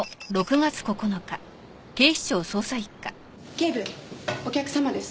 警部お客様です。